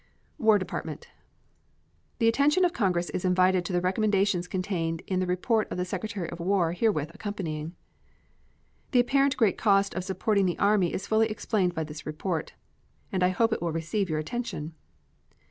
WAR DEPARTMENT. The attention of Congress is invited to the recommendations contained in the report of the Secretary of War herewith accompanying. The apparent great cost of supporting the Army is fully explained by this report, and I hope will receive your attention.